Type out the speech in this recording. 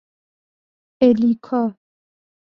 اِلیکا